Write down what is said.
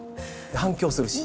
反響するし。